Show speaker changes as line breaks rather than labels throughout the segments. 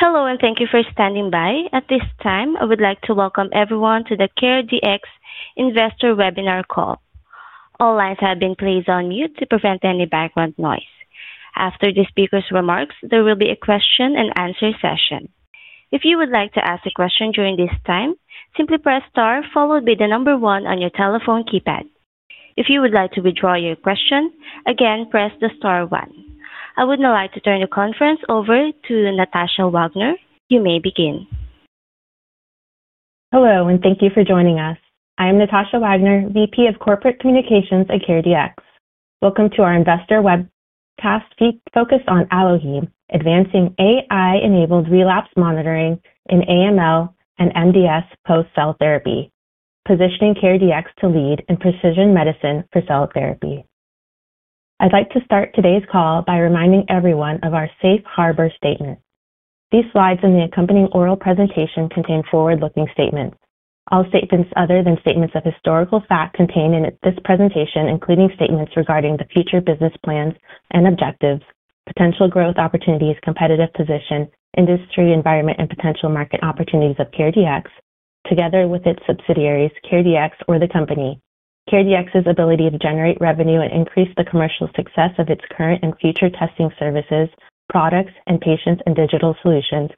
Hello, and thank you for standing by. At this time, I would like to welcome everyone to the CareDx Investor Webinar Call. All lines have been placed on mute to prevent any background noise. After the speaker's remarks, there will be a question and answer session. If you would like to ask a question during this time, simply press star, followed by the number one on your telephone keypad. If you would like to withdraw your question, again, press the star one. I would now like to turn the conference over to Natasha Wagner. You may begin.
Hello, and thank you for joining us. I am Natasha Wagner, VP of Corporate Communications at CareDx. Welcome to our Investor Webcast, focused on AlloHeme, advancing AI-enabled relapse monitoring in AML and MDS post-cell therapy, positioning CareDx to lead in precision medicine for cell therapy. I'd like to start today's call by reminding everyone of our safe harbor statement. These slides and the accompanying oral presentation contain forward-looking statements. All statements other than statements of historical fact contained in this presentation, including statements regarding the future business plans and objectives, potential growth opportunities, competitive position, industry environment, and potential market opportunities of CareDx, together with its subsidiaries, CareDx or the company. CareDx's ability to generate revenue and increase the commercial success of its current and future testing services, products, and patient, and digital solutions,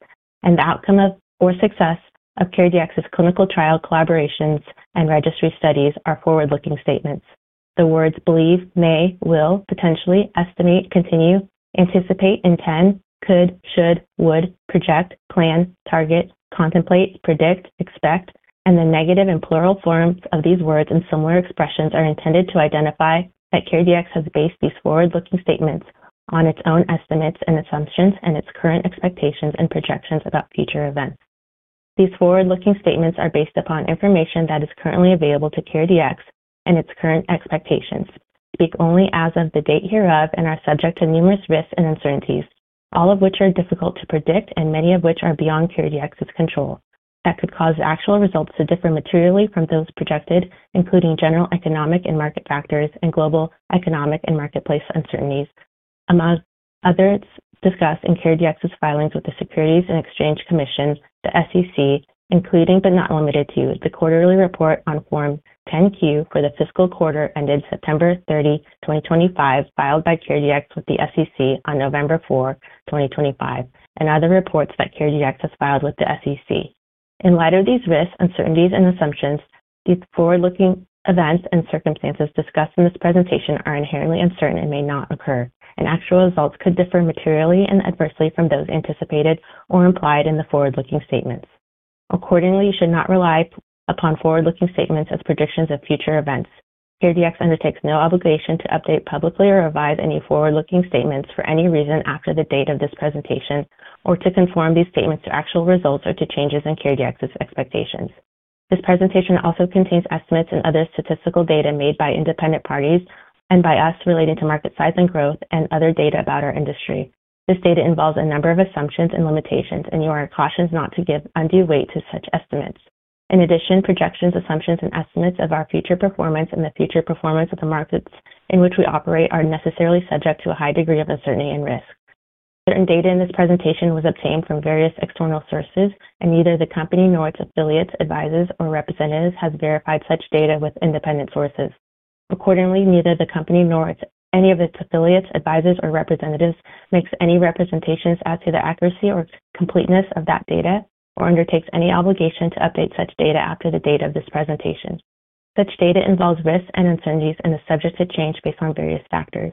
and the outcome of or success of CareDx's clinical trial collaborations and registry studies are forward-looking statements. The words believe, may, will, potentially, estimate, continue, anticipate, intend, could, should, would, project, plan, target, contemplate, predict, expect, and the negative and plural forms of these words and similar expressions are intended to identify that CareDx has based these forward-looking statements on its own estimates and assumptions and its current expectations and projections about future events. These forward-looking statements are based upon information that is currently available to CareDx and its current expectations. Speak only as of the date hereof and are subject to numerous risks and uncertainties, all of which are difficult to predict and many of which are beyond CareDx's control, that could cause actual results to differ materially from those projected, including general economic and market factors and global economic and marketplace uncertainties, among others discussed in CareDx's filings with the Securities and Exchange Commission, the SEC, including but not limited to, the quarterly report on Form 10-Q for the fiscal quarter ended September 30, 2025, filed by CareDx with the SEC on November 4, 2025, and other reports that CareDx has filed with the SEC. In light of these risks, uncertainties, and assumptions, these forward-looking events and circumstances discussed in this presentation are inherently uncertain and may not occur, and actual results could differ materially and adversely from those anticipated or implied in the forward-looking statements. Accordingly, you should not rely upon forward-looking statements as predictions of future events. CareDx undertakes no obligation to update publicly or revise any forward-looking statements for any reason after the date of this presentation, or to conform these statements to actual results or to changes in CareDx's expectations. This presentation also contains estimates and other statistical data made by independent parties and by us relating to market size and growth and other data about our industry. This data involves a number of assumptions and limitations, and you are cautioned not to give undue weight to such estimates. In addition, projections, assumptions, and estimates of our future performance and the future performance of the markets in which we operate are necessarily subject to a high degree of uncertainty and risk. Certain data in this presentation was obtained from various external sources, and neither the company nor its affiliates, advisors, or representatives has verified such data with independent sources. Accordingly, neither the company nor its, any of its affiliates, advisors, or representatives makes any representations as to the accuracy or completeness of that data or undertakes any obligation to update such data after the date of this presentation. Such data involves risks and uncertainties and is subject to change based on various factors.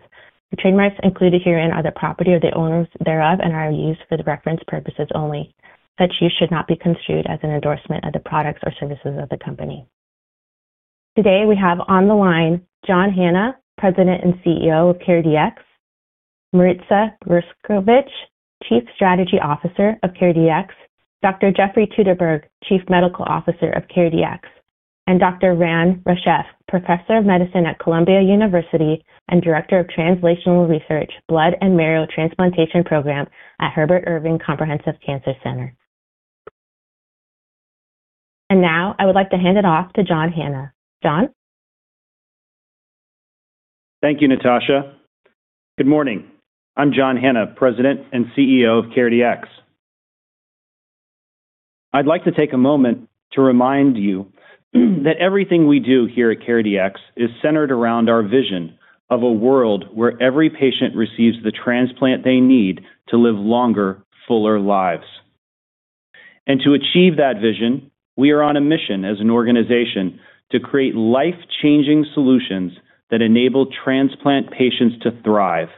The trademarks included herein are the property of the owners thereof and are used for the reference purposes only. Such use should not be construed as an endorsement of the products or services of the company. Today, we have on the line John Hanna, President and CEO of CareDx, Marica Grskovic, Chief Strategy Officer of CareDx, Dr. Jeffrey Teuteberg, Chief Medical Officer of CareDx, and Dr. Ran Reshef, Professor of Medicine at Columbia University and Director of Translational Research, Blood and Marrow Transplantation Program at Herbert Irving Comprehensive Cancer Center. Now I would like to hand it off to John Hanna. John?
Thank you, Natasha. Good morning. I'm John Hanna, President and CEO of CareDx. I'd like to take a moment to remind you, that everything we do here at CareDx is centered around our vision of a world where every patient receives the transplant they need to live longer, fuller lives. And to achieve that vision, we are on a mission as an organization to create life-changing solutions that enable transplant patients to thrive.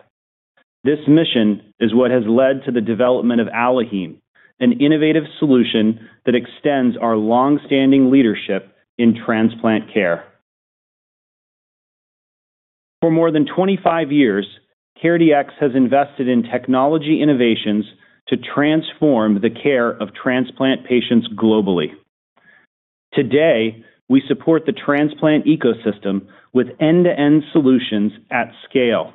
This mission is what has led to the development of AlloHeme, an innovative solution that extends our long-standing leadership in transplant care. For more than 25 years, CareDx has invested in technology innovations to transform the care of transplant patients globally. Today, we support the transplant ecosystem with end-to-end solutions at scale.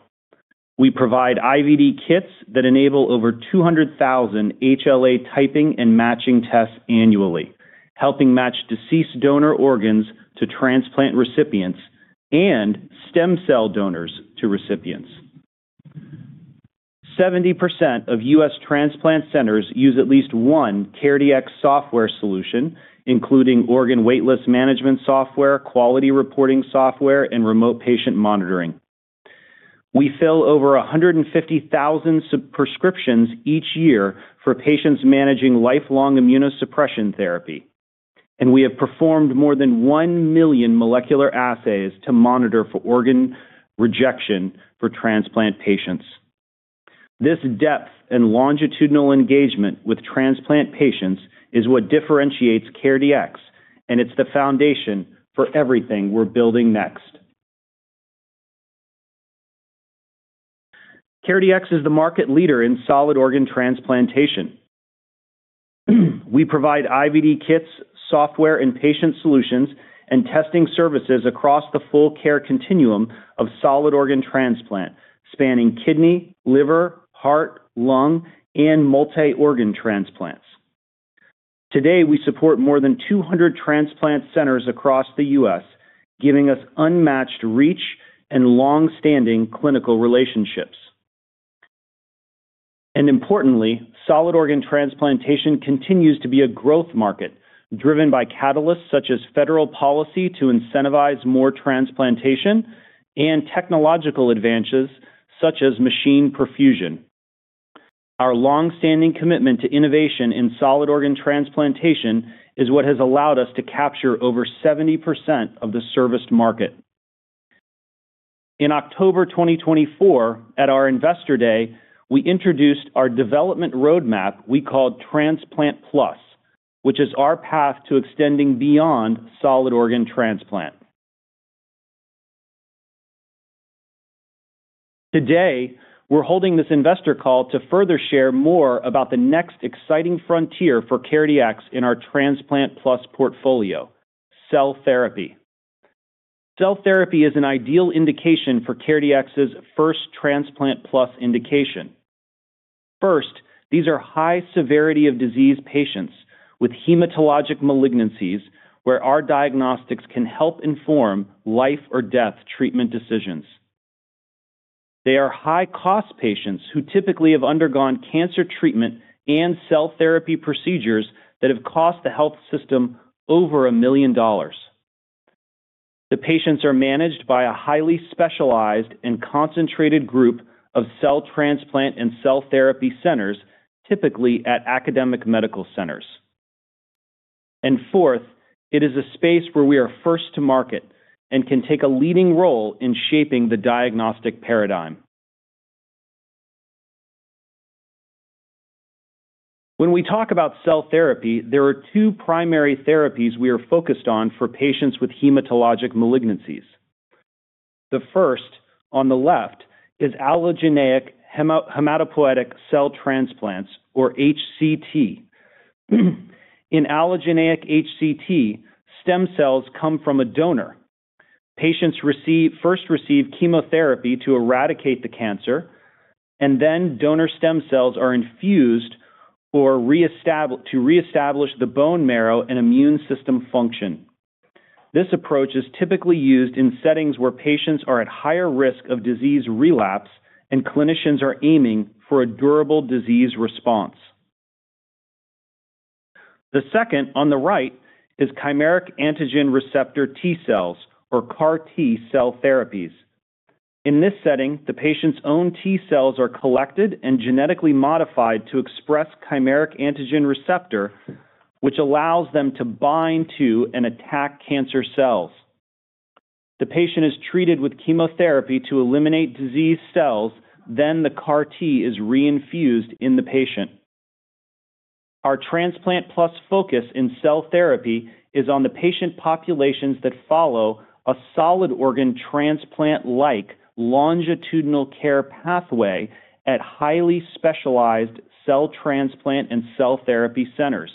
We provide IVD kits that enable over 200,000 HLA typing and matching tests annually, helping match deceased donor organs to transplant recipients-... Stem cell donors to recipients. 70% of U.S. transplant centers use at least one CareDx software solution, including organ waitlist management software, quality reporting software, and remote patient monitoring. We fill over 150,000 prescriptions each year for patients managing lifelong immunosuppression therapy, and we have performed more than 1 million molecular assays to monitor for organ rejection for transplant patients. This depth and longitudinal engagement with transplant patients is what differentiates CareDx, and it's the foundation for everything we're building next. CareDx is the market leader in solid organ transplantation. We provide IVD kits, software and patient solutions, and testing services across the full care continuum of solid organ transplant, spanning kidney, liver, heart, lung, and multi-organ transplants. Today, we support more than 200 transplant centers across the U.S., giving us unmatched reach and long-standing clinical relationships. Importantly, solid organ transplantation continues to be a growth market, driven by catalysts such as federal policy to incentivize more transplantation and technological advances, such as machine perfusion. Our long-standing commitment to innovation in solid organ transplantation is what has allowed us to capture over 70% of the serviced market. In October 2024, at our Investor Day, we introduced our development roadmap we called Transplant Plus, which is our path to extending beyond solid organ transplant. Today, we're holding this investor call to further share more about the next exciting frontier for CareDx in our Transplant Plus portfolio, cell therapy. Cell therapy is an ideal indication for CareDx's first Transplant Plus indication. First, these are high severity of disease patients with hematologic malignancies, where our diagnostics can help inform life or death treatment decisions. They are high-cost patients who typically have undergone cancer treatment and cell therapy procedures that have cost the health system over $1 million. The patients are managed by a highly specialized and concentrated group of cell transplant and cell therapy centers, typically at academic medical centers. And fourth, it is a space where we are first to market and can take a leading role in shaping the diagnostic paradigm. When we talk about cell therapy, there are two primary therapies we are focused on for patients with hematologic malignancies. The first, on the left, is allogeneic hematopoietic cell transplants, or HCT. In allogeneic HCT, stem cells come from a donor. Patients first receive chemotherapy to eradicate the cancer, and then donor stem cells are infused to reestablish the bone marrow and immune system function. This approach is typically used in settings where patients are at higher risk of disease relapse and clinicians are aiming for a durable disease response. The second, on the right, is chimeric antigen receptor T-cells, or CAR T-cell therapies. In this setting, the patient's own T-cells are collected and genetically modified to express chimeric antigen receptor, which allows them to bind to and attack cancer cells. The patient is treated with chemotherapy to eliminate diseased cells, then the CAR T is reinfused in the patient. Our Transplant Plus focus in cell therapy is on the patient populations that follow a solid organ transplant-like longitudinal care pathway at highly specialized cell transplant and cell therapy centers.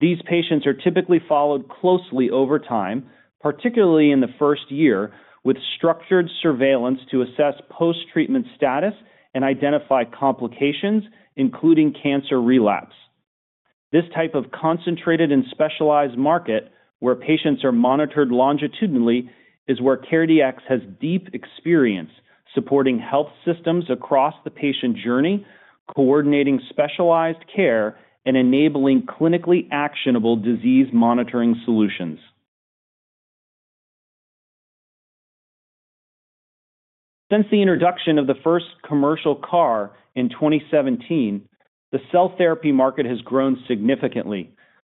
These patients are typically followed closely over time, particularly in the first year, with structured surveillance to assess post-treatment status and identify complications, including cancer relapse. This type of concentrated and specialized market, where patients are monitored longitudinally, is where CareDx has deep experience supporting health systems across the patient journey, coordinating specialized care, and enabling clinically actionable disease monitoring solutions. Since the introduction of the first commercial CAR in 2017, the cell therapy market has grown significantly,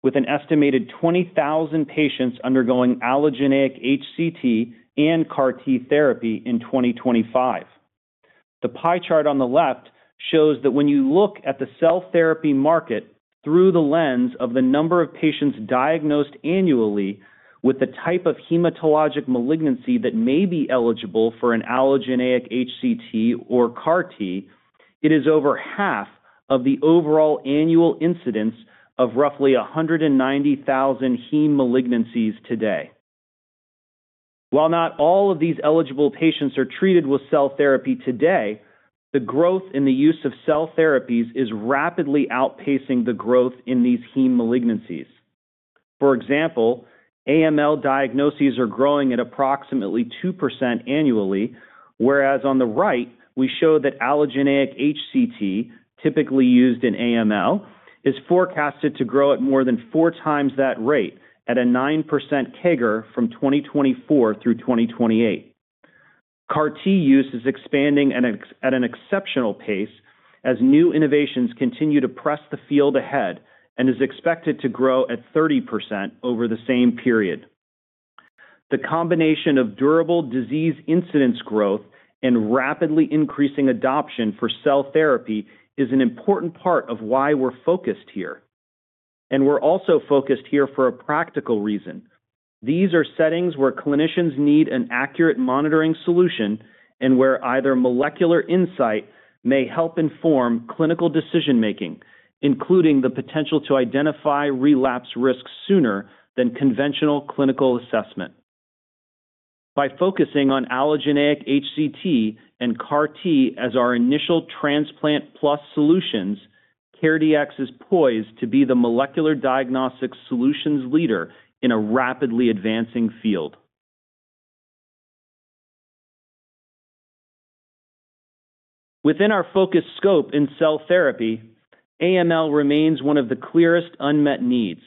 with an estimated 20,000 patients undergoing allogeneic HCT and CAR T therapy in 2025. The pie chart on the left shows that when you look at the cell therapy market through the lens of the number of patients diagnosed annually with the type of hematologic malignancy that may be eligible for an allogeneic HCT or CAR T, it is over half of the overall annual incidence of roughly 190,000 heme malignancies today. While not all of these eligible patients are treated with cell therapy today-... The growth in the use of cell therapies is rapidly outpacing the growth in these heme malignancies. For example, AML diagnoses are growing at approximately 2% annually, whereas on the right, we show that allogeneic HCT, typically used in AML, is forecasted to grow at more than four times that rate, at a 9% CAGR from 2024 through 2028. CAR-T use is expanding at an exceptional pace as new innovations continue to press the field ahead and is expected to grow at 30% over the same period. The combination of durable disease incidence growth and rapidly increasing adoption for cell therapy is an important part of why we're focused here, and we're also focused here for a practical reason. These are settings where clinicians need an accurate monitoring solution and where either molecular insight may help inform clinical decision-making, including the potential to identify relapse risks sooner than conventional clinical assessment. By focusing on allogeneic HCT and CAR-T as our initial Transplant Plus solutions, CareDx is poised to be the molecular diagnostics solutions leader in a rapidly advancing field. Within our focused scope in cell therapy, AML remains one of the clearest unmet needs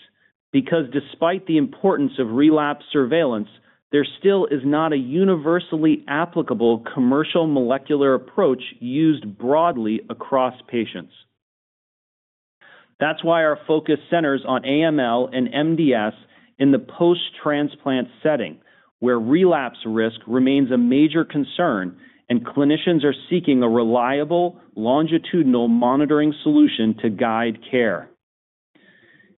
because despite the importance of relapse surveillance, there still is not a universally applicable commercial molecular approach used broadly across patients. That's why our focus centers on AML and MDS in the post-transplant setting, where relapse risk remains a major concern and clinicians are seeking a reliable, longitudinal monitoring solution to guide care.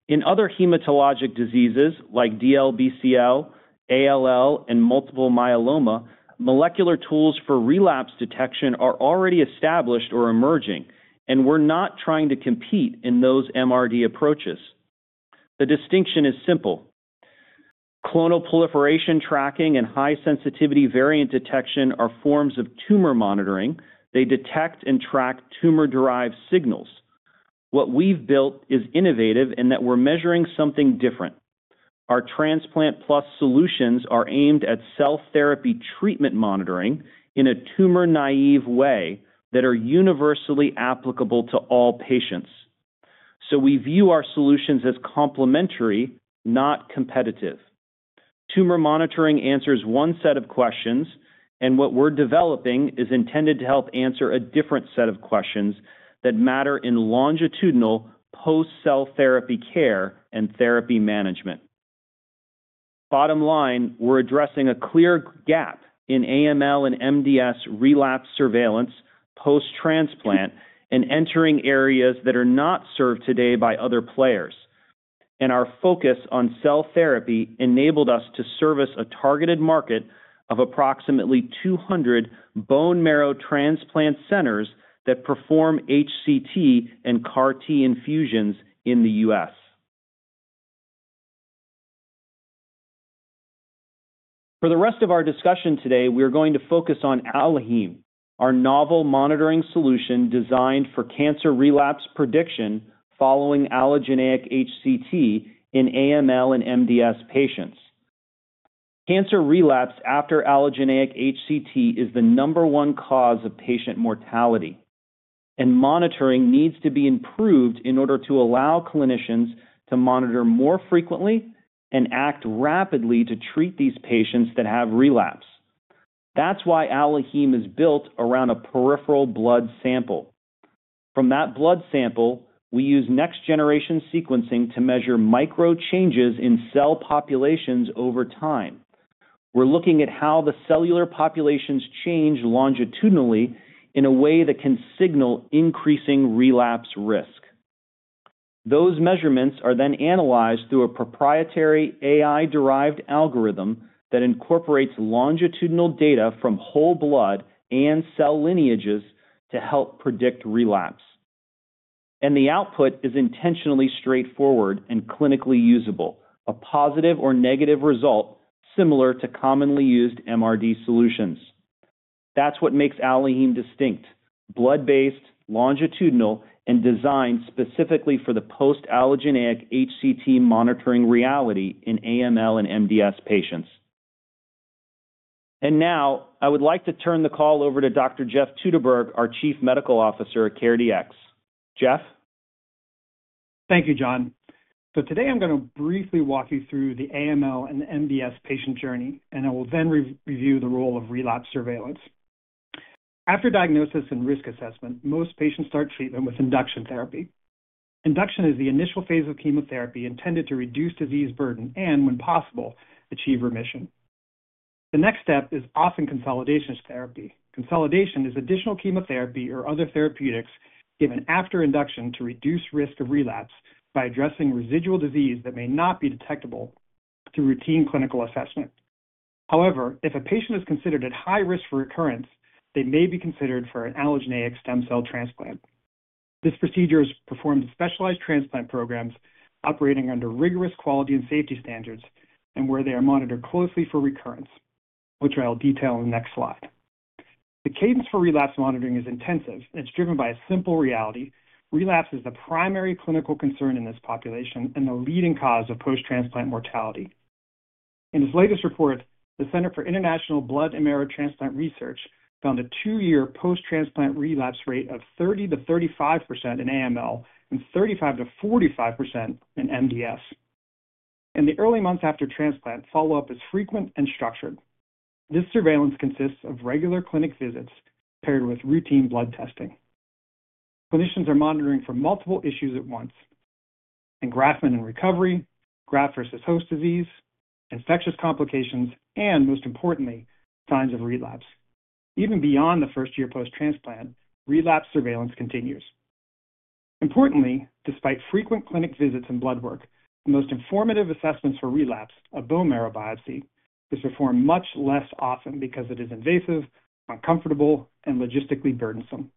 In other hematologic diseases like DLBCL, ALL, and multiple myeloma, molecular tools for relapse detection are already established or emerging, and we're not trying to compete in those MRD approaches. The distinction is simple: clonal proliferation tracking and high-sensitivity variant detection are forms of tumor monitoring. They detect and track tumor-derived signals. What we've built is innovative in that we're measuring something different. Our Transplant Plus solutions are aimed at cell therapy treatment monitoring in a tumor-naive way that are universally applicable to all patients. So we view our solutions as complementary, not competitive. Tumor monitoring answers one set of questions, and what we're developing is intended to help answer a different set of questions that matter in longitudinal post-cell therapy care and therapy management. Bottom line, we're addressing a clear gap in AML and MDS relapse surveillance, post-transplant, and entering areas that are not served today by other players. Our focus on cell therapy enabled us to service a targeted market of approximately 200 bone marrow transplant centers that perform HCT and CAR-T infusions in the U.S. For the rest of our discussion today, we are going to focus on AlloHeme, our novel monitoring solution designed for cancer relapse prediction following allogeneic HCT in AML and MDS patients. Cancer relapse after allogeneic HCT is the number one cause of patient mortality, and monitoring needs to be improved in order to allow clinicians to monitor more frequently and act rapidly to treat these patients that have relapse. That's why AlloHeme is built around a peripheral blood sample. From that blood sample, we use next-generation sequencing to measure micro changes in cell populations over time. We're looking at how the cellular populations change longitudinally in a way that can signal increasing relapse risk. Those measurements are then analyzed through a proprietary AI-derived algorithm that incorporates longitudinal data from whole blood and cell lineages to help predict relapse. The output is intentionally straightforward and clinically usable, a positive or negative result, similar to commonly used MRD solutions. That's what makes AlloHeme distinct: blood-based, longitudinal, and designed specifically for the post-allogeneic HCT monitoring reality in AML and MDS patients. Now, I would like to turn the call over to Dr. Jeff Teuteberg, our Chief Medical Officer at CareDx. Jeff?
Thank you, John. So today I'm going to briefly walk you through the AML and MDS patient journey, and I will then re-review the role of relapse surveillance. After diagnosis and risk assessment, most patients start treatment with induction therapy. Induction is the initial phase of chemotherapy intended to reduce disease burden and, when possible, achieve remission. The next step is often consolidation therapy. Consolidation is additional chemotherapy or other therapeutics given after induction to reduce risk of relapse by addressing residual disease that may not be detectable through routine clinical assessment. However, if a patient is considered at high risk for recurrence, they may be considered for an allogeneic stem cell transplant. This procedure is performed in specialized transplant programs operating under rigorous quality and safety standards, and where they are monitored closely for recurrence, which I'll detail in the next slide. The cadence for relapse monitoring is intensive, and it's driven by a simple reality: relapse is the primary clinical concern in this population and the leading cause of post-transplant mortality. In his latest report, the Center for International Blood and Marrow Transplant Research found a two-year post-transplant relapse rate of 30%-35% in AML and 35%-45% in MDS. In the early months after transplant, follow-up is frequent and structured. This surveillance consists of regular clinic visits paired with routine blood testing. Physicians are monitoring for multiple issues at once: engraftment and recovery, graft-versus-host disease, infectious complications, and, most importantly, signs of relapse. Even beyond the first year post-transplant, relapse surveillance continues. Importantly, despite frequent clinic visits and blood work, the most informative assessments for relapse, a bone marrow biopsy, is performed much less often because it is invasive, uncomfortable, and logistically burdensome.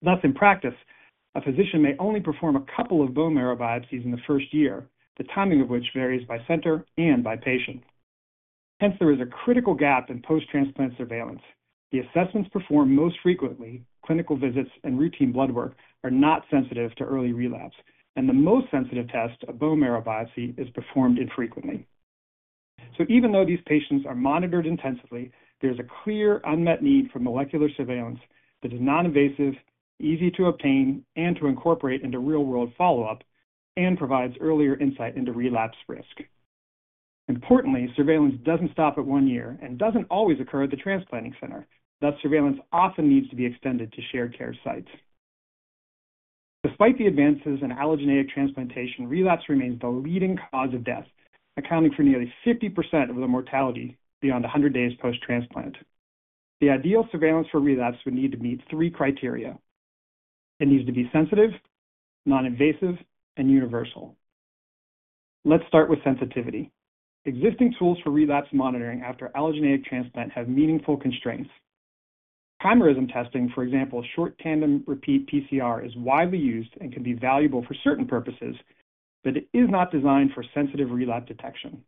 Thus, in practice, a physician may only perform a couple of bone marrow biopsies in the first year, the timing of which varies by center and by patient. Hence, there is a critical gap in post-transplant surveillance. The assessments performed most frequently, clinical visits and routine blood work, are not sensitive to early relapse, and the most sensitive test, a bone marrow biopsy, is performed infrequently. Even though these patients are monitored intensively, there's a clear unmet need for molecular surveillance that is non-invasive, easy to obtain and to incorporate into real-world follow-up, and provides earlier insight into relapse risk. Importantly, surveillance doesn't stop at one year and doesn't always occur at the transplanting center. Thus, surveillance often needs to be extended to shared care sites. Despite the advances in allogeneic transplantation, relapse remains the leading cause of death, accounting for nearly 50% of the mortality beyond 100 days post-transplant. The ideal surveillance for relapse would need to meet three criteria: It needs to be sensitive, non-invasive, and universal. Let's start with sensitivity. Existing tools for relapse monitoring after allogeneic transplant have meaningful constraints. Chimerism testing, for example, short tandem repeat PCR, is widely used and can be valuable for certain purposes, but it is not designed for sensitive relapse detection.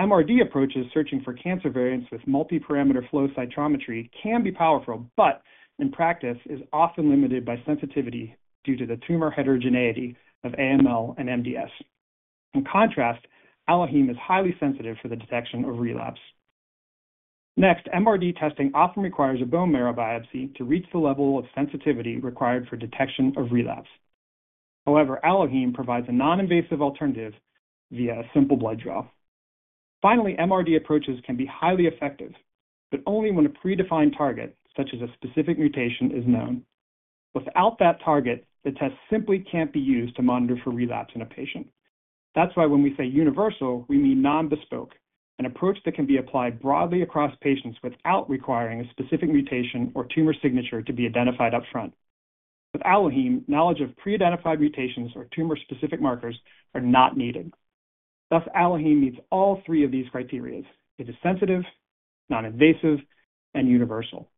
MRD approaches searching for cancer variants with multiparameter flow cytometry can be powerful, but in practice, is often limited by sensitivity due to the tumor heterogeneity of AML and MDS. In contrast, AlloHeme is highly sensitive for the detection of relapse. Next, MRD testing often requires a bone marrow biopsy to reach the level of sensitivity required for detection of relapse. However, AlloHeme provides a non-invasive alternative via a simple blood draw. Finally, MRD approaches can be highly effective, but only when a predefined target, such as a specific mutation, is known. Without that target, the test simply can't be used to monitor for relapse in a patient. That's why when we say universal, we mean non-bespoke, an approach that can be applied broadly across patients without requiring a specific mutation or tumor signature to be identified upfront. With AlloHeme, knowledge of pre-identified mutations or tumor-specific markers are not needed. Thus, AlloHeme meets all three of these criteria. It is sensitive, non-invasive, and universal.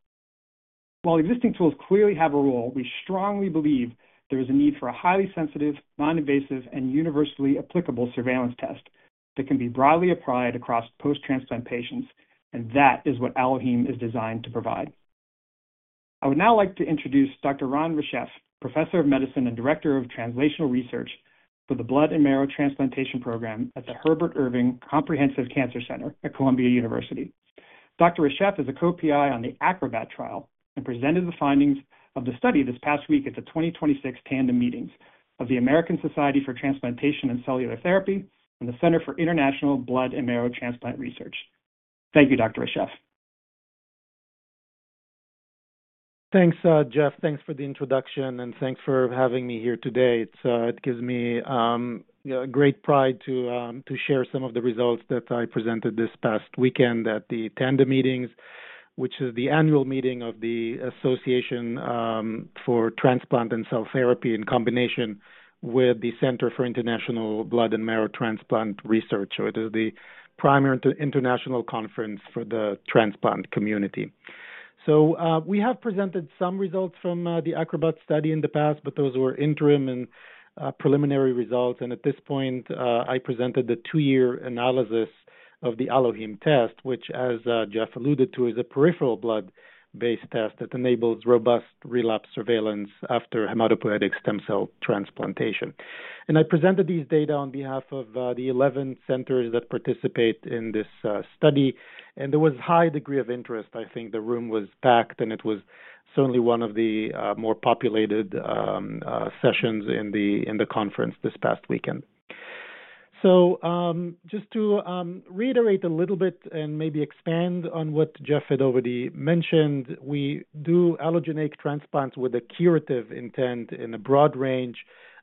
While existing tools clearly have a role, we strongly believe there is a need for a highly sensitive, non-invasive, and universally applicable surveillance test that can be broadly applied across post-transplant patients, and that is what AlloHeme is designed to provide. I would now like to introduce Dr. Ran Reshef, Professor of Medicine and Director of Translational Research for the Blood and Marrow Transplantation Program at the Herbert Irving Comprehensive Cancer Center at Columbia University. Dr. Reshef is a co-PI on the ACROBAT Trial and presented the findings of the study this past week at the 2026 Tandem Meetings of the American Society for Transplantation and Cellular Therapy and the Center for International Blood and Marrow Transplant Research. Thank you, Dr. Reshef.
Thanks, Jeff. Thanks for the introduction, and thanks for having me here today. It's, it gives me great pride to share some of the results that I presented this past weekend at the Tandem Meetings, which is the annual meeting of the American Society for Transplantation and Cellular Therapy, in combination with the Center for International Blood and Marrow Transplant Research. So it is the primary international conference for the transplant community. So, we have presented some results from the ACROBAT study in the past, but those were interim and preliminary results. And at this point, I presented the two-year analysis of the AlloHeme test, which, as Jeff alluded to, is a peripheral blood-based test that enables robust relapse surveillance after hematopoietic stem cell transplantation. I presented these data on behalf of the 11 centers that participate in this study, and there was a high degree of interest. I think the room was packed, and it was certainly one of the more populated sessions in the conference this past weekend. Just to reiterate a little bit and maybe expand on what Jeff had already mentioned, we do allogeneic transplants with a curative intent in a broad range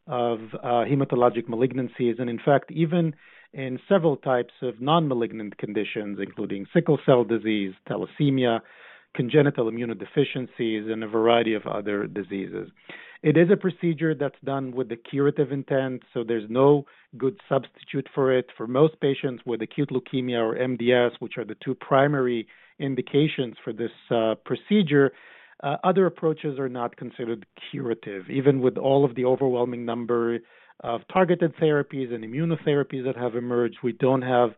of hematologic malignancies, and in fact, even in several types of non-malignant conditions, including sickle cell disease, thalassemia, congenital immunodeficiencies, and a variety of other diseases. It is a procedure that's done with a curative intent, so there's no good substitute for it. For most patients with acute leukemia or MDS, which are the two primary indications for this procedure... Other approaches are not considered curative. Even with all of the overwhelming number of targeted therapies and immunotherapies that have emerged, we don't have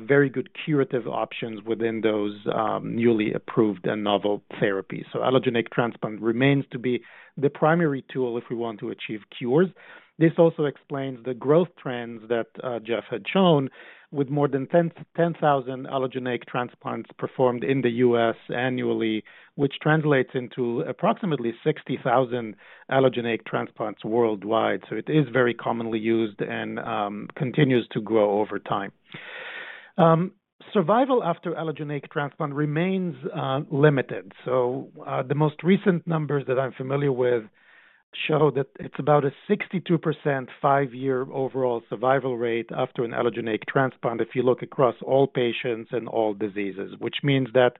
very good curative options within those newly approved and novel therapies. So allogeneic transplant remains to be the primary tool if we want to achieve cures. This also explains the growth trends that Jeff had shown with more than 10,000 allogeneic transplants performed in the U.S. annually, which translates into approximately 60,000 allogeneic transplants worldwide. So it is very commonly used and continues to grow over time. Survival after allogeneic transplant remains limited. So, the most recent numbers that I'm familiar with show that it's about a 62% five-year overall survival rate after an allogeneic transplant, if you look across all patients and all diseases. Which means that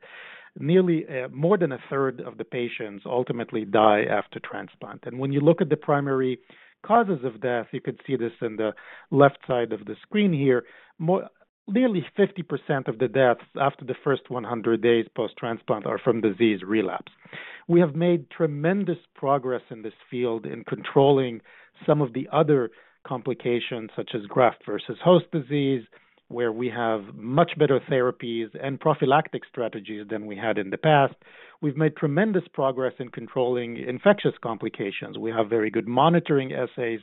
nearly more than a third of the patients ultimately die after transplant. And when you look at the primary causes of death, you can see this in the left side of the screen here. Nearly 50% of the deaths after the first 100 days post-transplant are from disease relapse. We have made tremendous progress in this field in controlling some of the other complications, such as graft versus host disease, where we have much better therapies and prophylactic strategies than we had in the past. We've made tremendous progress in controlling infectious complications. We have very good monitoring assays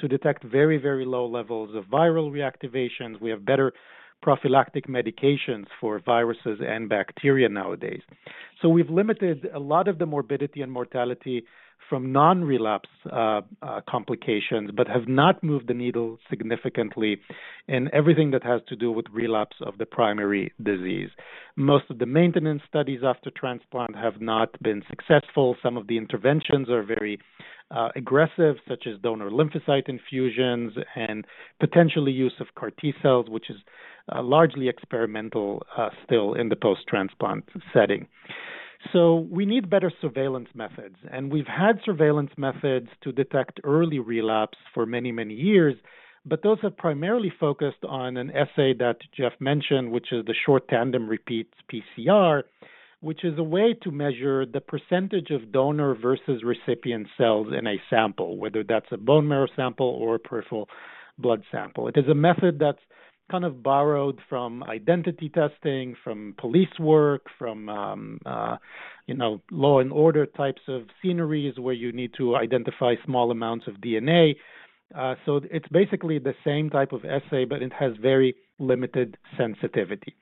to detect very, very low levels of viral reactivations. We have better prophylactic medications for viruses and bacteria nowadays. So we've limited a lot of the morbidity and mortality from non-relapse complications, but have not moved the needle significantly in everything that has to do with relapse of the primary disease. Most of the maintenance studies after transplant have not been successful. Some of the interventions are very aggressive, such as donor lymphocyte infusions and potentially use of CAR T cells, which is largely experimental still in the post-transplant setting. So we need better surveillance methods, and we've had surveillance methods to detect early relapse for many, many years, but those have primarily focused on an assay that Jeff mentioned, which is the short tandem repeat PCR. Which is a way to measure the percentage of donor versus recipient cells in a sample, whether that's a bone marrow sample or a peripheral blood sample. It is a method that's kind of borrowed from identity testing, from police work, from, you know, law and order types of scenarios where you need to identify small amounts of DNA. So it's basically the same type of assay, but it has very limited sensitivity.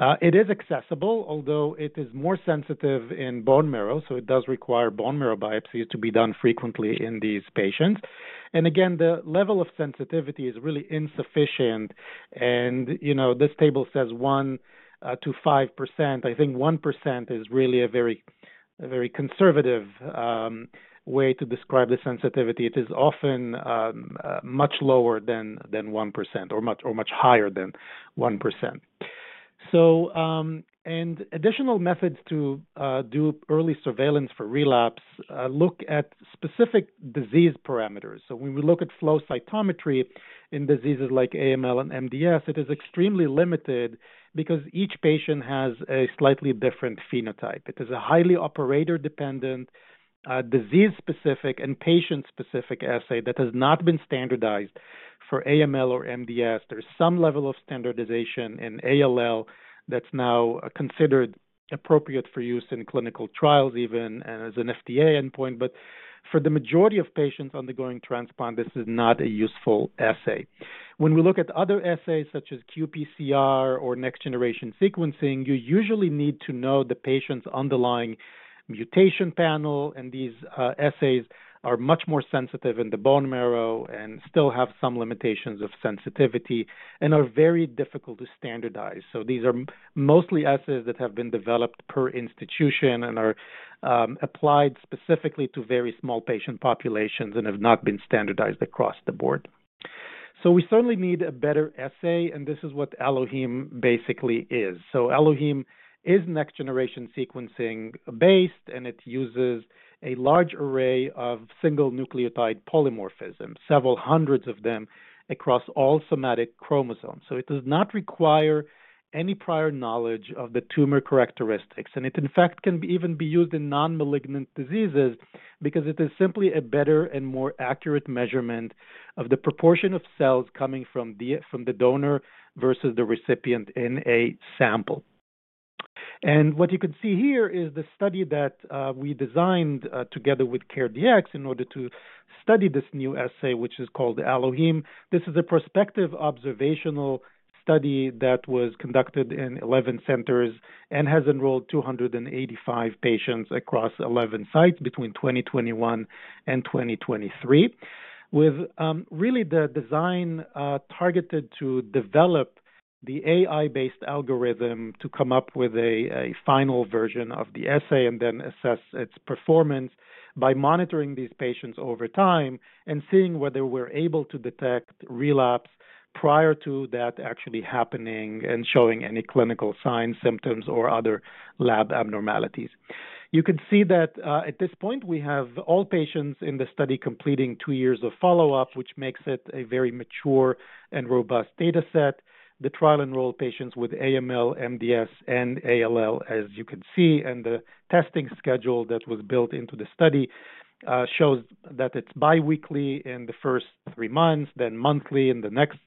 It is accessible, although it is more sensitive in bone marrow, so it does require bone marrow biopsies to be done frequently in these patients. And again, the level of sensitivity is really insufficient, and, you know, this table says 1%-5%. I think 1% is really a very, a very conservative way to describe the sensitivity. It is often much lower than one percent, or much higher than 1%. So, and additional methods to do early surveillance for relapse look at specific disease parameters. So when we look at flow cytometry in diseases like AML and MDS, it is extremely limited because each patient has a slightly different phenotype. It is a highly operator-dependent, disease-specific and patient-specific assay that has not been standardized for AML or MDS. There is some level of standardization in ALL that's now considered appropriate for use in clinical trials even, and as an FDA endpoint, but for the majority of patients undergoing transplant, this is not a useful assay. When we look at other assays such as qPCR or next-generation sequencing, you usually need to know the patient's underlying mutation panel, and these assays are much more sensitive in the bone marrow and still have some limitations of sensitivity and are very difficult to standardize. So these are mostly assays that have been developed per institution and are applied specifically to very small patient populations and have not been standardized across the board. So we certainly need a better assay, and this is what AlloHeme basically is. So AlloHeme is next-generation sequencing based, and it uses a large array of single nucleotide polymorphisms, several hundreds of them across all somatic chromosomes. So it does not require any prior knowledge of the tumor characteristics, and it, in fact, can even be used in non-malignant diseases because it is simply a better and more accurate measurement of the proportion of cells coming from the, from the donor versus the recipient in a sample. And what you can see here is the study that we designed together with CareDx in order to study this new assay, which is called AlloHeme. This is a prospective observational study that was conducted in 11 centers and has enrolled 285 patients across 11 sites between 2021 and 2023. With, really the design, targeted to develop the AI-based algorithm to come up with a, a final version of the assay and then assess its performance by monitoring these patients over time and seeing whether we're able to detect relapse prior to that actually happening and showing any clinical signs, symptoms, or other lab abnormalities. You can see that, at this point, we have all patients in the study completing 2 years of follow-up, which makes it a very mature and robust data set. The trial enrolled patients with AML, MDS, and ALL, as you can see, and the testing schedule that was built into the study shows that it's biweekly in the first three months, then monthly in the next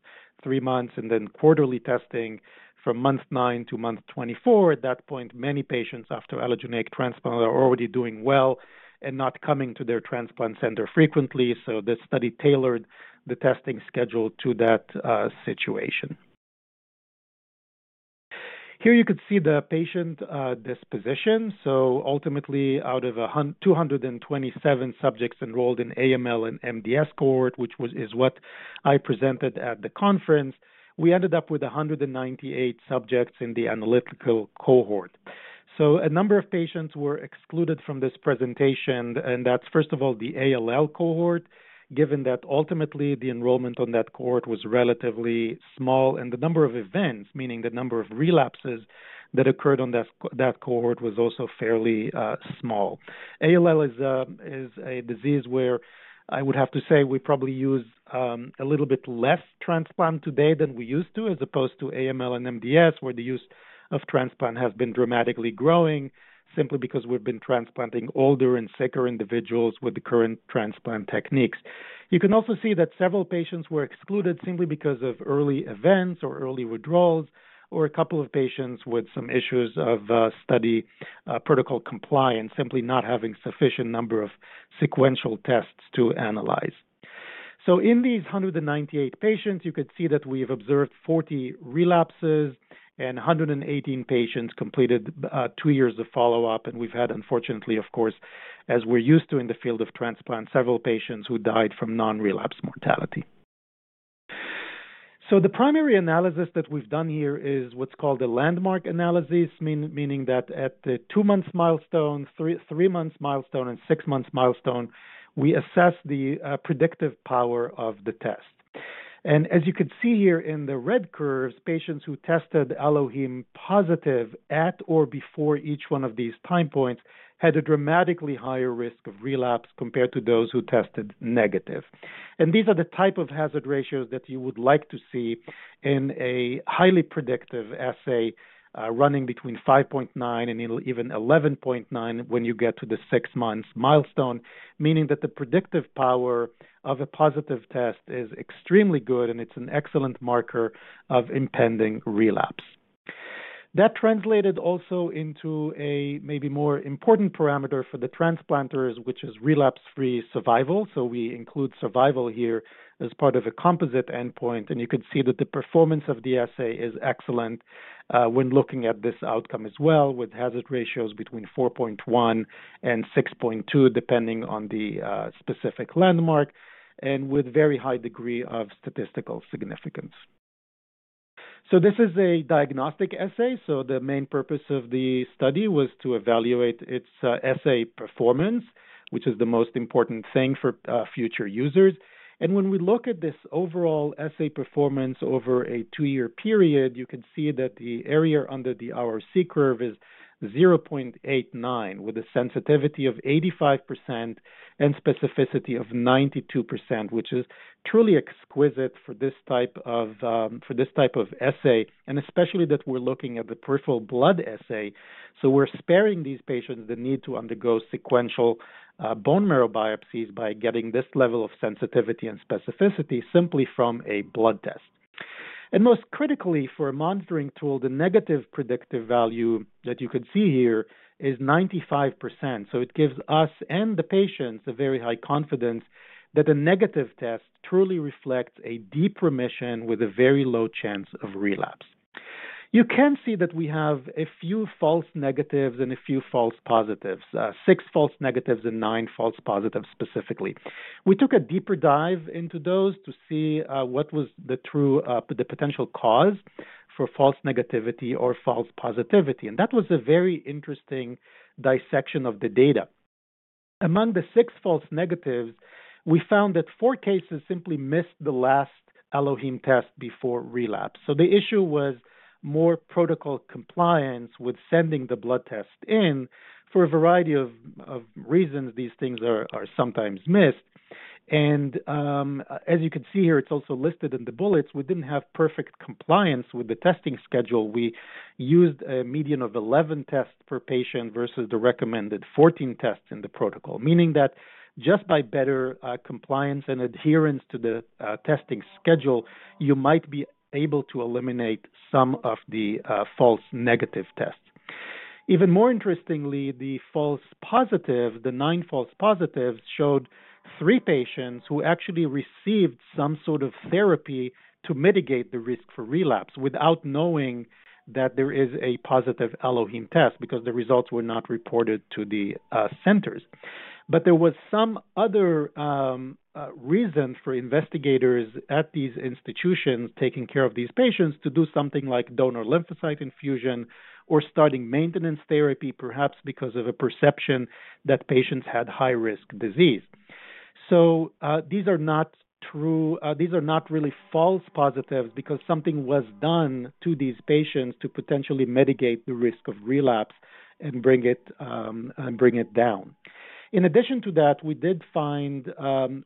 three months, and then quarterly testing from month nine to month 24. At that point, many patients after allogeneic transplant are already doing well and not coming to their transplant center frequently, so this study tailored the testing schedule to that situation. Here you can see the patient disposition. So ultimately, out of 227 subjects enrolled in AML and MDS cohort, which was, is what I presented at the conference, we ended up with 198 subjects in the analytical cohort. So a number of patients were excluded from this presentation, and that's first of all, the ALL cohort, given that ultimately the enrollment on that cohort was relatively small, and the number of events, meaning the number of relapses that occurred on that cohort, was also fairly small. ALL is a disease where I would have to say we probably use a little bit less transplant today than we used to, as opposed to AML and MDS, where the use of transplant has been dramatically growing simply because we've been transplanting older and sicker individuals with the current transplant techniques. You can also see that several patients were excluded simply because of early events or early withdrawals, or a couple of patients with some issues of study protocol compliance, simply not having sufficient number of sequential tests to analyze. In these 198 patients, you could see that we've observed 40 relapses, and 118 patients completed two years of follow-up, and we've had, unfortunately, of course, as we're used to in the field of transplant, several patients who died from non-relapse mortality. The primary analysis that we've done here is what's called a landmark analysis, meaning that at the two-month milestone, three-month milestone, and six-month milestone, we assess the predictive power of the test. And as you can see here in the red curves, patients who tested AlloHeme positive at or before each one of these time points had a dramatically higher risk of relapse compared to those who tested negative. These are the type of hazard ratios that you would like to see in a highly predictive assay, running between 5.9 and even 11.9 when you get to the six months milestone, meaning that the predictive power of a positive test is extremely good, and it's an excellent marker of impending relapse. That translated also into a maybe more important parameter for the transplanters, which is relapse-free survival, so we include survival here as part of a composite endpoint, and you can see that the performance of the assay is excellent, when looking at this outcome as well, with hazard ratios between 4.1 and 6.2, depending on the specific landmark, and with very high degree of statistical significance. So this is a diagnostic assay, so the main purpose of the study was to evaluate its assay performance, which is the most important thing for future users. And when we look at this overall assay performance over a two-year period, you can see that the area under the ROC curve is 0.89, with a sensitivity of 85% and specificity of 92%, which is truly exquisite for this type of for this type of assay, and especially that we're looking at the peripheral blood assay. So we're sparing these patients the need to undergo sequential bone marrow biopsies by getting this level of sensitivity and specificity simply from a blood test. And most critically, for a monitoring tool, the negative predictive value that you can see here is 95%. So it gives us and the patients a very high confidence that a negative test truly reflects a deep remission with a very low chance of relapse. You can see that we have a few false negatives and a few false positives, six false negatives and nine false positives, specifically. We took a deeper dive into those to see what was the true potential cause for false negativity or false positivity, and that was a very interesting dissection of the data. Among the six false negatives, we found that four cases simply missed the last AlloHeme test before relapse. So the issue was more protocol compliance with sending the blood test in. For a variety of reasons, these things are sometimes missed, and as you can see here, it's also listed in the bullets, we didn't have perfect compliance with the testing schedule. We used a median of 11 tests per patient versus the recommended 14 tests in the protocol. Meaning that just by better compliance and adherence to the testing schedule, you might be able to eliminate some of the false negative tests. Even more interestingly, the false positive, the nine false positives, showed three patients who actually received some sort of therapy to mitigate the risk for relapse without knowing that there is a positive AlloHeme test because the results were not reported to the centers. But there was some other reason for investigators at these institutions taking care of these patients to do something like donor lymphocyte infusion or starting maintenance therapy, perhaps because of a perception that patients had high-risk disease. So, these are not true, these are not really false positives because something was done to these patients to potentially mitigate the risk of relapse and bring it, and bring it down. In addition to that, we did find,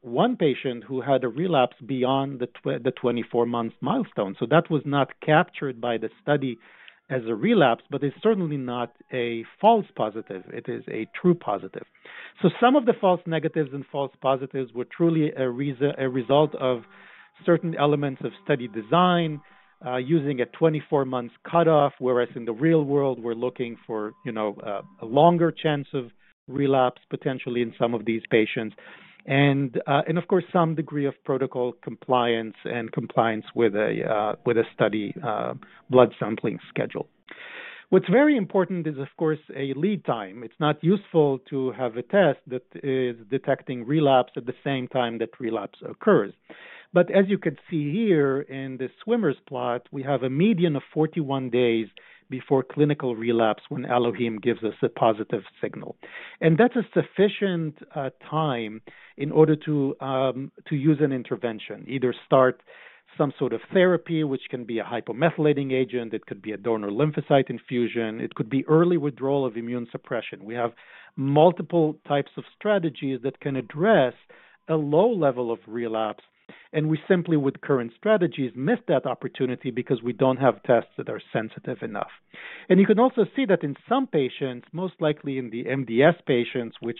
one patient who had a relapse beyond the 24-month milestone. So that was not captured by the study as a relapse, but it's certainly not a false positive. It is a true positive. So some of the false negatives and false positives were truly a result of certain elements of study design, using a 24-month cutoff, whereas in the real world, we're looking for, you know, a longer chance of relapse, potentially in some of these patients. And, and of course, some degree of protocol compliance and compliance with a study, blood sampling schedule. What's very important is, of course, a lead time. It's not useful to have a test that is detecting relapse at the same time that relapse occurs. But as you can see here in the swimmer's plot, we have a median of 41 days before clinical relapse when AlloHeme gives us a positive signal. And that's a sufficient time in order to use an intervention, either start some sort of therapy, which can be a hypomethylating agent, it could be a donor lymphocyte infusion, it could be early withdrawal of immune suppression. We have multiple types of strategies that can address a low level of relapse, and we simply, with current strategies, miss that opportunity because we don't have tests that are sensitive enough. And you can also see that in some patients, most likely in the MDS patients, which,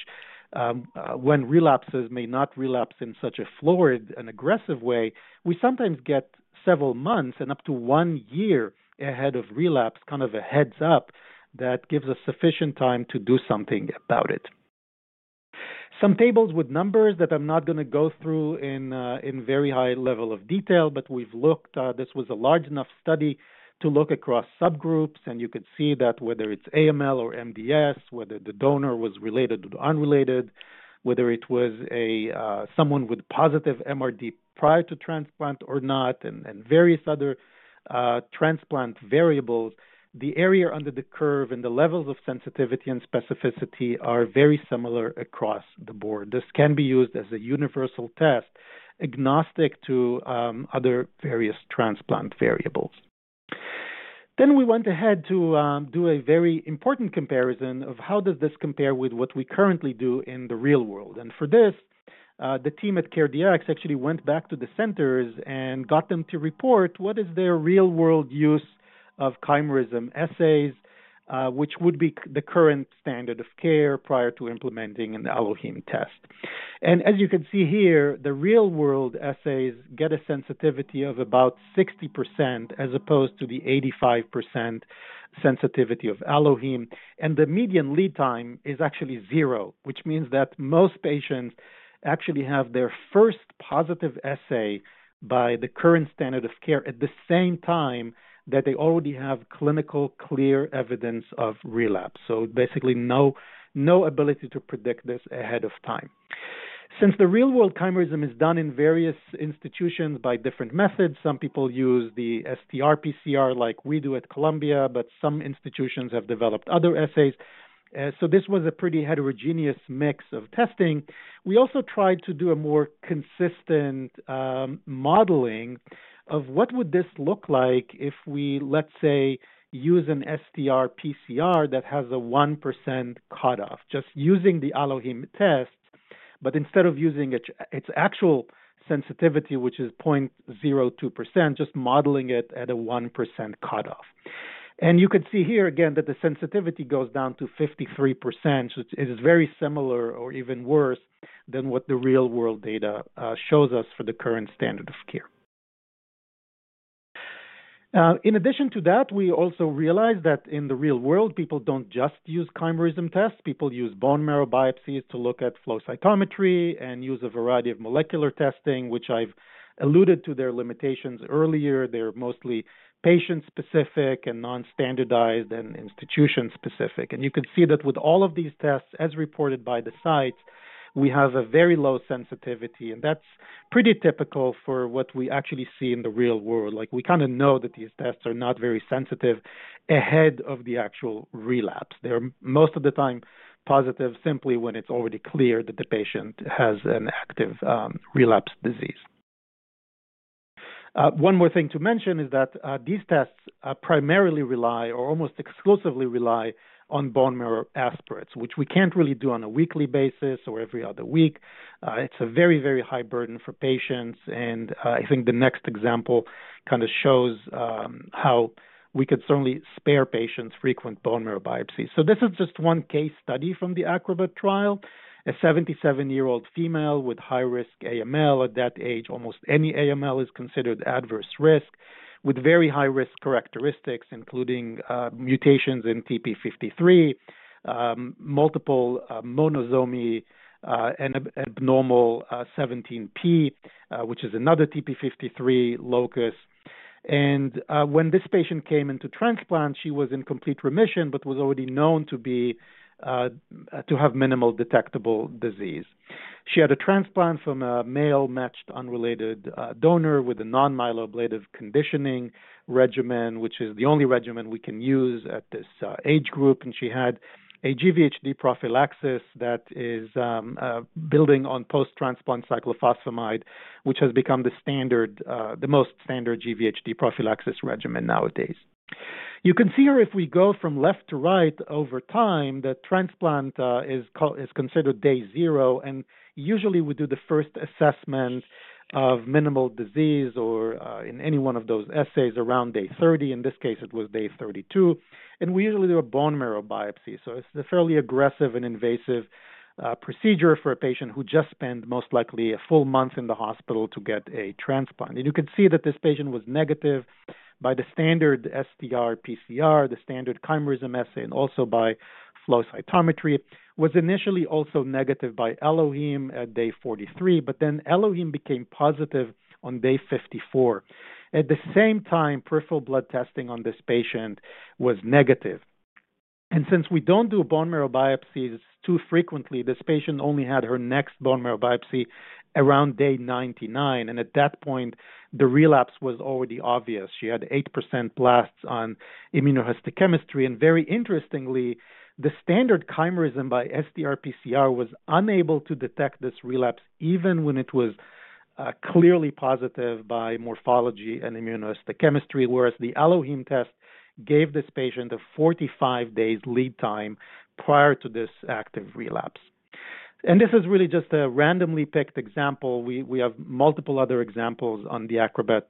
when relapses may not relapse in such a fluid and aggressive way, we sometimes get several months and up to one year ahead of relapse, kind of a heads-up that gives us sufficient time to do something about it. Some tables with numbers that I'm not going to go through in very high level of detail, but we've looked, this was a large enough study to look across subgroups, and you can see that whether it's AML or MDS, whether the donor was related or unrelated, whether it was a someone with positive MRD prior to transplant or not, and various other transplant variables, the area under the curve and the levels of sensitivity and specificity are very similar across the board. This can be used as a universal test, agnostic to other various transplant variables. Then we went ahead to do a very important comparison of how does this compare with what we currently do in the real world. And for this, the team at CareDx actually went back to the centers and got them to report what is their real-world use of chimerism assays, which would be the current standard of care prior to implementing an AlloHeme test. And as you can see here, the real-world assays get a sensitivity of about 60%, as opposed to the 85% sensitivity of AlloHeme, and the median lead time is actually zero, which means that most patients actually have their first positive assay by the current standard of care at the same time that they already have clinical clear evidence of relapse. So basically, no, no ability to predict this ahead of time. Since the real-world chimerism is done in various institutions by different methods, some people use the STR PCR like we do at Columbia, but some institutions have developed other assays. So this was a pretty heterogeneous mix of testing. We also tried to do a more consistent modeling of what would this look like if we, let's say, use an STR PCR that has a 1% cutoff, just using the AlloHeme test, but instead of using its, its actual sensitivity, which is 0.02%, just modeling it at a 1% cutoff. And you can see here again that the sensitivity goes down to 53%, so it is very similar or even worse than what the real-world data shows us for the current standard of care. In addition to that, we also realized that in the real world, people don't just use chimerism tests. People use bone marrow biopsies to look at flow cytometry and use a variety of molecular testing, which I've alluded to their limitations earlier. They're mostly patient-specific and non-standardized and institution-specific. And you can see that with all of these tests, as reported by the sites, we have a very low sensitivity, and that's pretty typical for what we actually see in the real world. Like, we kinda know that these tests are not very sensitive ahead of the actual relapse. They're, most of the time, positive simply when it's already clear that the patient has an active, relapse disease. One more thing to mention is that, these tests, primarily rely or almost exclusively rely on bone marrow aspirates, which we can't really do on a weekly basis or every other week. It's a very, very high burden for patients, and, I think the next example kinda shows, how we could certainly spare patients frequent bone marrow biopsies. So this is just one case study from the ACROBAT trial. A 77-year-old female with high-risk AML. At that age, almost any AML is considered adverse risk, with very high-risk characteristics, including, mutations in TP53, multiple monosomies, and abnormal 17p, which is another TP53 locus. And, when this patient came into transplant, she was in complete remission but was already known to be, to have minimal detectable disease.... She had a transplant from a male matched unrelated donor with a non-myeloablative conditioning regimen, which is the only regimen we can use at this age group. She had a GVHD prophylaxis that is building on post-transplant cyclophosphamide, which has become the standard, the most standard GVHD prophylaxis regimen nowadays. You can see here, if we go from left to right over time, the transplant is considered day zero, and usually we do the first assessment of minimal disease or in any one of those assays around day 30. In this case, it was day 32, and we usually do a bone marrow biopsy, so it's a fairly aggressive and invasive procedure for a patient who just spent most likely a full month in the hospital to get a transplant. You can see that this patient was negative by the standard STR PCR, the standard chimerism assay, and also by flow cytometry, was initially also negative by AlloHeme at day 43, but then AlloHeme became positive on day 54. At the same time, peripheral blood testing on this patient was negative, and since we don't do bone marrow biopsies too frequently, this patient only had her next bone marrow biopsy around day 99, and at that point, the relapse was already obvious. She had 8% blasts on immunohistochemistry, and very interestingly, the standard chimerism by STR PCR was unable to detect this relapse, even when it was clearly positive by morphology and immunohistochemistry, whereas the AlloHeme test gave this patient a 45 days lead time prior to this active relapse. This is really just a randomly picked example. We have multiple other examples on the ACROBAT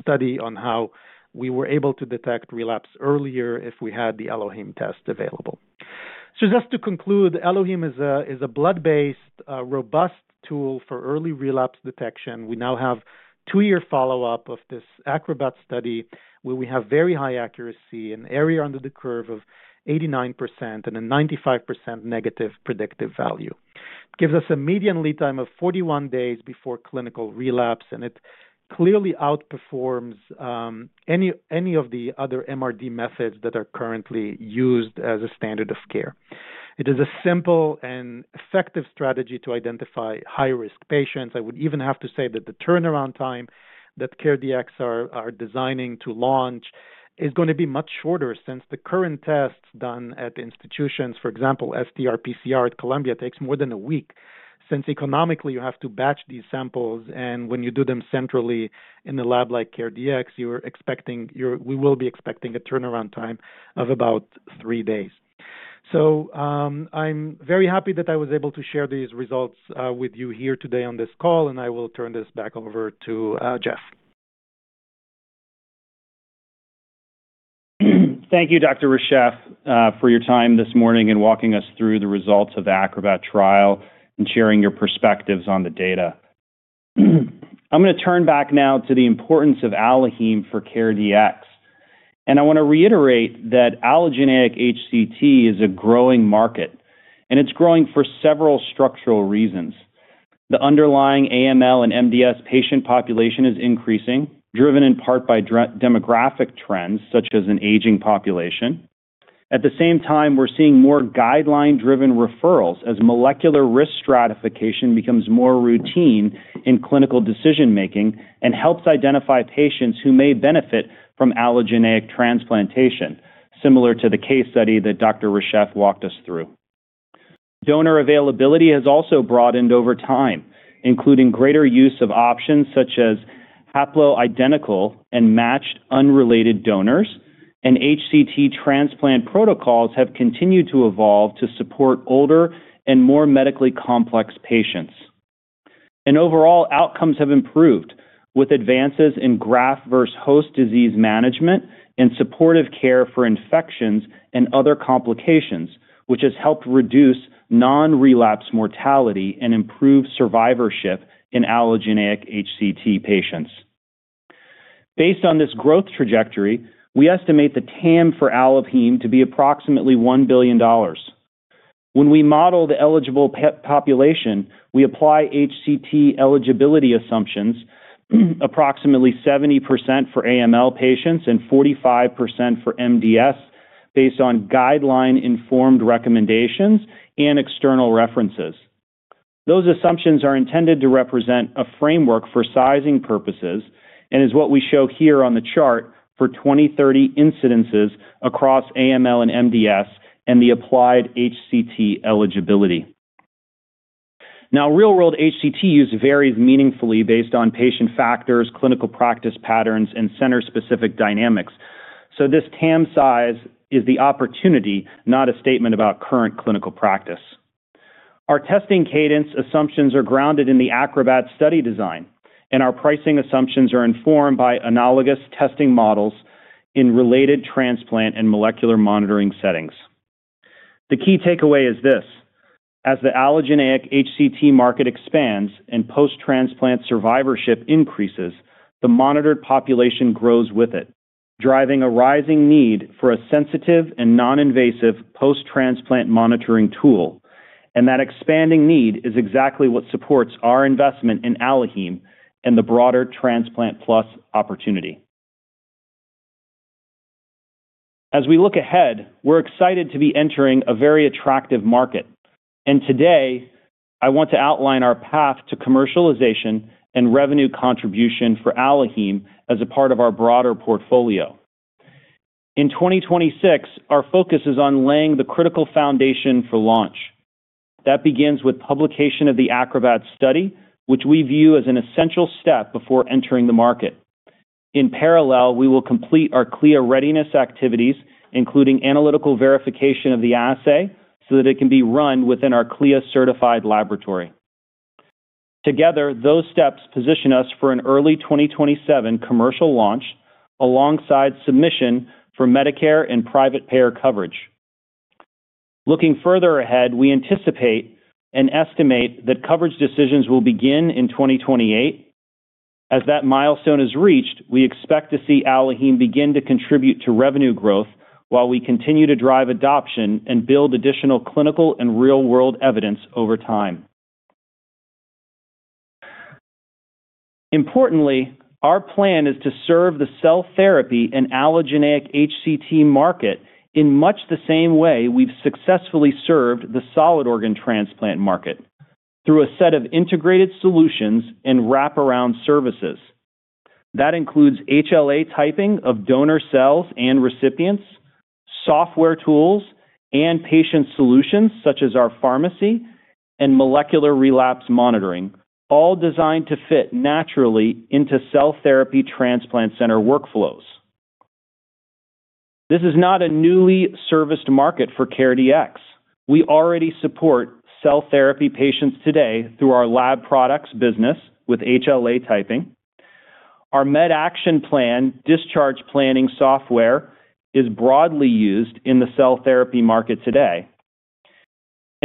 study on how we were able to detect relapse earlier if we had the AlloHeme test available. So just to conclude, AlloHeme is a blood-based robust tool for early relapse detection. We now have two-year follow-up of this ACROBAT study, where we have very high accuracy, an area under the curve of 89% and a 95% negative predictive value. Gives us a median lead time of 41 days before clinical relapse, and it clearly outperforms any of the other MRD methods that are currently used as a standard of care. It is a simple and effective strategy to identify high-risk patients. I would even have to say that the turnaround time that CareDx is designing to launch is going to be much shorter since the current tests done at institutions, for example, STR PCR at Columbia, takes more than a week. Since economically, you have to batch these samples, and when you do them centrally in a lab like CareDx, we will be expecting a turnaround time of about three days. So, I'm very happy that I was able to share these results with you here today on this call, and I will turn this back over to Jeff.
Thank you, Dr. Reshef, for your time this morning and walking us through the results of the ACROBAT trial and sharing your perspectives on the data. I'm going to turn back now to the importance of AlloHeme for CareDx, and I want to reiterate that allogeneic HCT is a growing market, and it's growing for several structural reasons. The underlying AML and MDS patient population is increasing, driven in part by demographic trends, such as an aging population. At the same time, we're seeing more guideline-driven referrals as molecular risk stratification becomes more routine in clinical decision-making and helps identify patients who may benefit from allogeneic transplantation, similar to the case study that Dr. Reshef walked us through. Donor availability has also broadened over time, including greater use of options such as haploidentical and matched unrelated donors, and HCT transplant protocols have continued to evolve to support older and more medically complex patients. Overall, outcomes have improved with advances in graft versus host disease management and supportive care for infections and other complications, which has helped reduce non-relapse mortality and improve survivorship in allogeneic HCT patients. Based on this growth trajectory, we estimate the TAM for AlloHeme to be approximately $1 billion. When we model the eligible population, we apply HCT eligibility assumptions, approximately 70% for AML patients and 45% for MDS, based on guideline-informed recommendations and external references. Those assumptions are intended to represent a framework for sizing purposes and is what we show here on the chart for 2030 incidences across AML and MDS and the applied HCT eligibility. Now, real-world HCT use varies meaningfully based on patient factors, clinical practice patterns, and center-specific dynamics. So this TAM size is the opportunity, not a statement about current clinical practice. Our testing cadence assumptions are grounded in the ACROBAT study design, and our pricing assumptions are informed by analogous testing models in related transplant and molecular monitoring settings. The key takeaway is this: as the allogeneic HCT market expands and post-transplant survivorship increases, the monitored population grows with it, driving a rising need for a sensitive and non-invasive post-transplant monitoring tool, and that expanding need is exactly what supports our investment in AlloHeme and the broader Transplant Plus opportunity. As we look ahead, we're excited to be entering a very attractive market, and today, I want to outline our path to commercialization and revenue contribution for AlloHeme as a part of our broader portfolio. In 2026, our focus is on laying the critical foundation for launch. That begins with publication of the ACROBAT study, which we view as an essential step before entering the market. In parallel, we will complete our CLIA readiness activities, including analytical verification of the assay, so that it can be run within our CLIA-certified laboratory. Together, those steps position us for an early 2027 commercial launch, alongside submission for Medicare and private payer coverage. Looking further ahead, we anticipate and estimate that coverage decisions will begin in 2028. As that milestone is reached, we expect to see AlloHeme begin to contribute to revenue growth while we continue to drive adoption and build additional clinical and real-world evidence over time. Importantly, our plan is to serve the cell therapy and allogeneic HCT market in much the same way we've successfully served the solid organ transplant market, through a set of integrated solutions and wraparound services. That includes HLA typing of donor cells and recipients, software tools, and patient solutions such as our pharmacy and molecular relapse monitoring, all designed to fit naturally into cell therapy transplant center workflows. This is not a newly serviced market for CareDx. We already support cell therapy patients today through our lab products business with HLA typing. Our MedActionPlan discharge planning software is broadly used in the cell therapy market today.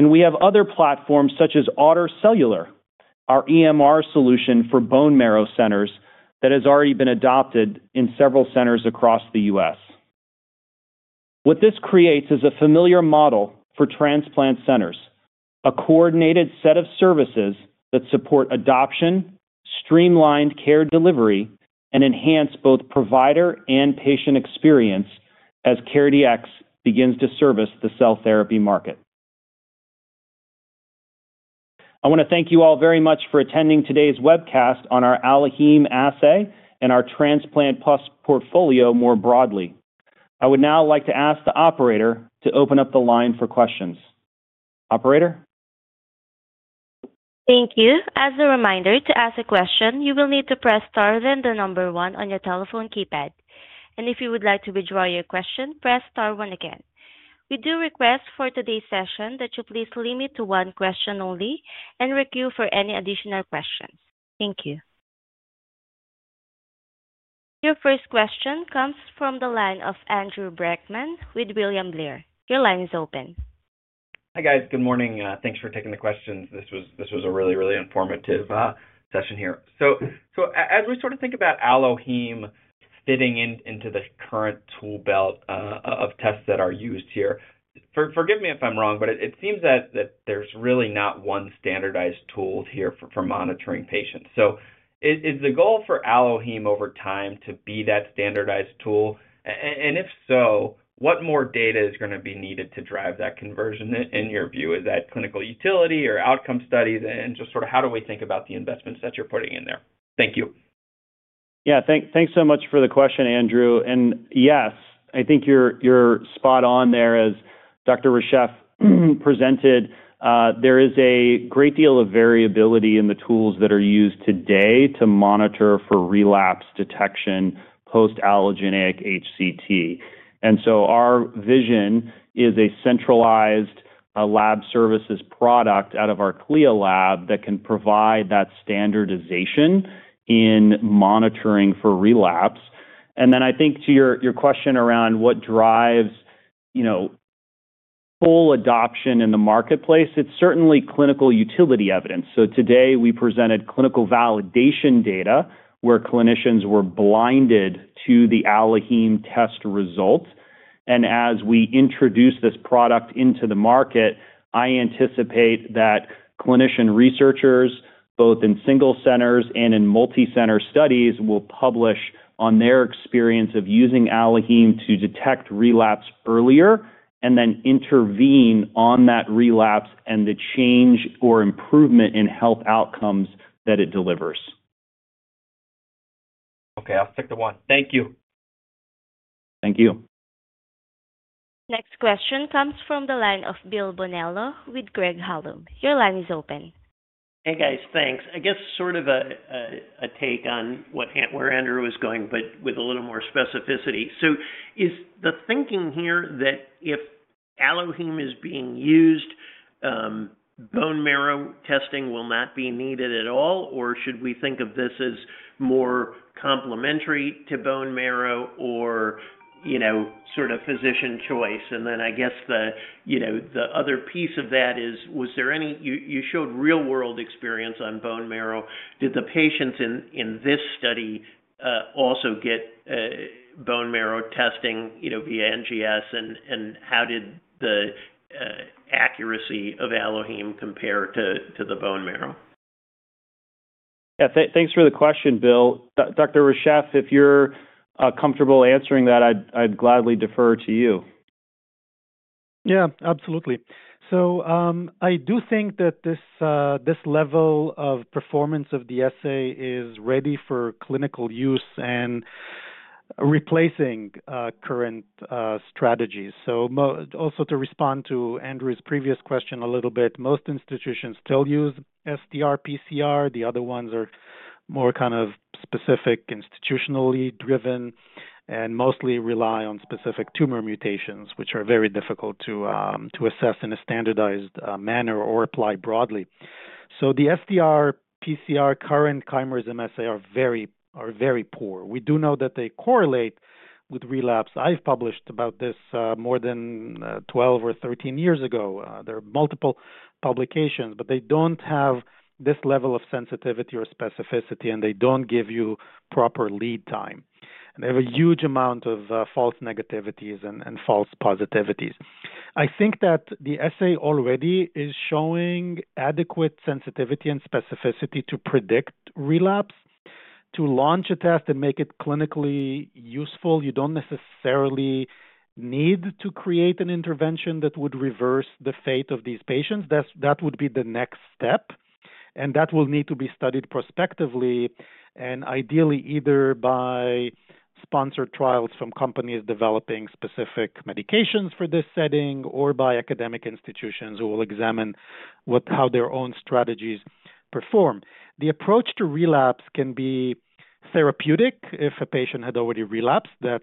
We have other platforms such as Ottr Cellular, our EMR solution for bone marrow centers, that has already been adopted in several centers across the U.S. What this creates is a familiar model for transplant centers, a coordinated set of services that support adoption, streamlined care delivery, and enhance both provider and patient experience as CareDx begins to service the cell therapy market. I want to thank you all very much for attending today's webcast on our AlloHeme assay and our Transplant Plus portfolio more broadly. I would now like to ask the operator to open up the line for questions. Operator?
Thank you. As a reminder, to ask a question, you will need to press star, then the number one on your telephone keypad. And if you would like to withdraw your question, press star one again. We do request for today's session that you please limit to one question only and queue for any additional questions. Thank you. Your first question comes from the line of Andrew Brackmann with William Blair. Your line is open.
Hi, guys. Good morning. Thanks for taking the questions. This was a really, really informative session here. So, as we sort of think about AlloHeme fitting in, into the current tool belt of tests that are used here, forgive me if I'm wrong, but it seems that there's really not one standardized tool here for monitoring patients. So is the goal for AlloHeme over time to be that standardized tool? And if so, what more data is going to be needed to drive that conversion in your view? Is that clinical utility or outcome studies? And just sort of how do we think about the investments that you're putting in there? Thank you.
Yeah. Thanks, thanks so much for the question, Andrew. And yes, I think you're, you're spot on there. As Dr. Reshef presented, there is a great deal of variability in the tools that are used today to monitor for relapse detection post-allogeneic HCT. And so our vision is a centralized lab services product out of our CLIA lab that can provide that standardization in monitoring for relapse. And then I think to your, your question around what drives, you know, full adoption in the marketplace, it's certainly clinical utility evidence. So today, we presented clinical validation data, where clinicians were blinded to the AlloHeme test results. As we introduce this product into the market, I anticipate that clinician researchers, both in single centers and in multicenter studies, will publish on their experience of using AlloHeme to detect relapse earlier and then intervene on that relapse and the change or improvement in health outcomes that it delivers.
Okay, I'll stick to one. Thank you.
Thank you.
Next question comes from the line of Bill Bonello with Craig-Hallum. Your line is open.
Hey, guys. Thanks. I guess sort of a take on what... Where Andrew was going, but with a little more specificity. So is the thinking here that if AlloHeme is being used, bone marrow testing will not be needed at all, or should we think of this as more complementary to bone marrow or, you know, sort of physician choice? And then I guess the, you know, the other piece of that is, was there any— you showed real-world experience on bone marrow. Did the patients in this study also get bone marrow testing, you know, via NGS? And how did the accuracy of AlloHeme compare to the bone marrow?...
Yeah, thanks for the question, Bill. Dr. Reshef, if you're comfortable answering that, I'd gladly defer to you.
Yeah, absolutely. So, I do think that this, this level of performance of the assay is ready for clinical use and replacing, current, strategies. So, also, to respond to Andrew's previous question a little bit, most institutions still use STR PCR. The other ones are more kind of specific, institutionally driven, and mostly rely on specific tumor mutations, which are very difficult to, to assess in a standardized, manner or apply broadly. So the STR PCR current chimerism assay are very poor. We do know that they correlate with relapse. I've published about this, more than, 12 or 13 years ago. There are multiple publications, but they don't have this level of sensitivity or specificity, and they don't give you proper lead time. They have a huge amount of, false negativities and false positivities. I think that the assay already is showing adequate sensitivity and specificity to predict relapse. To launch a test and make it clinically useful, you don't necessarily need to create an intervention that would reverse the fate of these patients. That's, that would be the next step, and that will need to be studied prospectively and ideally, either by sponsored trials from companies developing specific medications for this setting or by academic institutions who will examine what, how their own strategies perform. The approach to relapse can be therapeutic if a patient has already relapsed, that,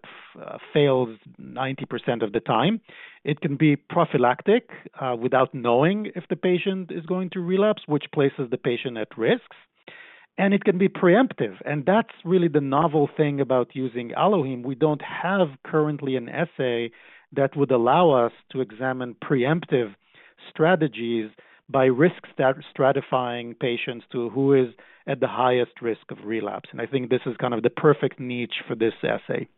fails 90% of the time. It can be prophylactic, without knowing if the patient is going to relapse, which places the patient at risk, and it can be preemptive, and that's really the novel thing about using AlloHeme. We don't have currently an assay that would allow us to examine preemptive strategies by risk stratifying patients to who is at the highest risk of relapse, and I think this is kind of the perfect niche for this assay.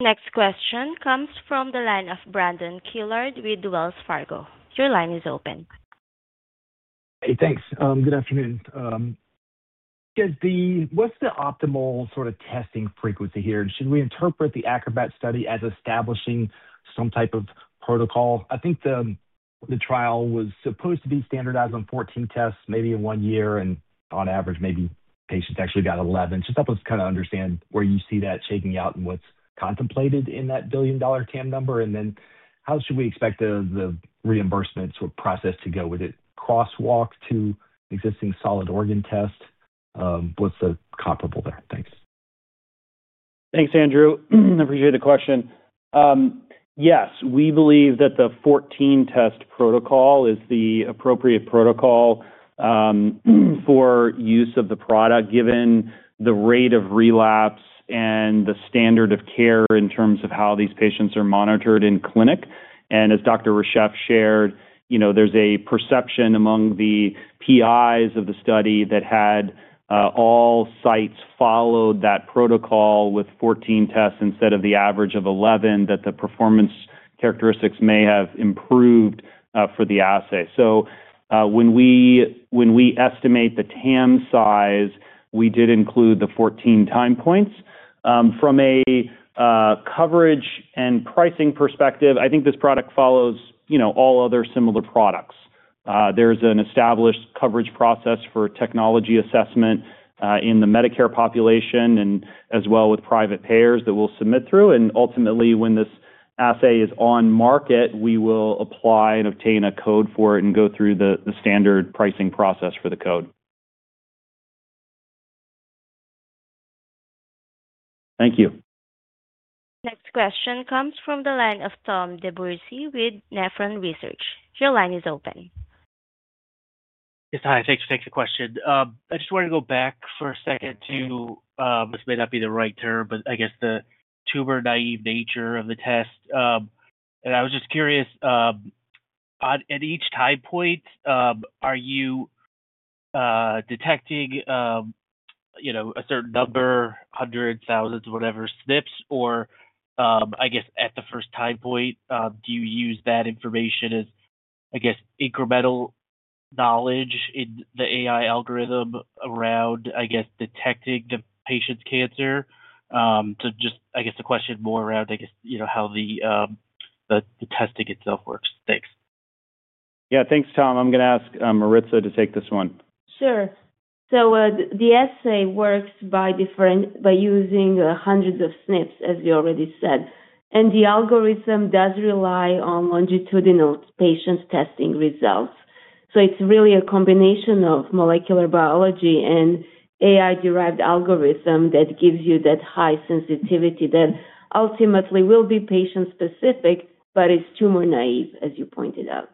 Next question comes from the line of Brandon Couillard with Wells Fargo. Your line is open.
Hey, thanks. Good afternoon. What's the optimal sort of testing frequency here? Should we interpret the ACROBAT study as establishing some type of protocol? I think the trial was supposed to be standardized on 14 tests, maybe in one year, and on average, maybe patients actually got 11. Just help us kind of understand where you see that shaking out and what's contemplated in that billion-dollar TAM number, and then how should we expect the reimbursement process to go with it, crosswalk to existing solid organ test? What's the comparable there? Thanks.
Thanks, Andrew. I appreciate the question. Yes, we believe that the 14 test protocol is the appropriate protocol for use of the product, given the rate of relapse and the standard of care in terms of how these patients are monitored in clinic. And as Dr. Reshef shared, you know, there's a perception among the PIs of the study that had all sites followed that protocol with 14 tests instead of the average of 11, that the performance characteristics may have improved for the assay. So, when we estimate the TAM size, we did include the 14 time points. From a coverage and pricing perspective, I think this product follows, you know, all other similar products. There's an established coverage process for technology assessment in the Medicare population and as well with private payers that we'll submit through, and ultimately, when this assay is on market, we will apply and obtain a code for it and go through the standard pricing process for the code. Thank you.
Next question comes from the line of Tom DeBourcy with Nephron Research. Your line is open.
Yes, hi. Thanks for taking the question. I just want to go back for a second to, this may not be the right term, but I guess the tumor-naive nature of the test. And I was just curious, at each time point, are you detecting, you know, a certain number, hundreds, thousands, whatever, SNPs or, I guess, at the first time point, do you use that information as, I guess, incremental knowledge in the AI algorithm around, I guess, detecting the patient's cancer? So just, I guess, the question more around, I guess, you know, how the, the testing itself works. Thanks.
Yeah. Thanks, Tom. I'm going to ask, Marica to take this one.
Sure. So, the assay works by using hundreds of SNPs, as you already said, and the algorithm does rely on longitudinal patient testing results. So it's really a combination of molecular biology and AI-derived algorithm that gives you that high sensitivity that ultimately will be patient-specific, but it's tumor-naive, as you pointed out.